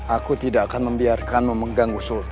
aku tidak akan membiarkanmu mengganggu sultan